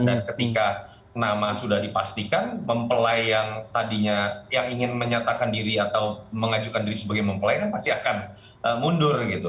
dan ketika nama sudah dipastikan mempelai yang tadinya yang ingin menyatakan diri atau mengajukan diri sebagai mempelai kan pasti akan mundur gitu